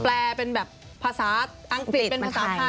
แปลเป็นแบบภาษาอังกฤษเป็นภาษาไทย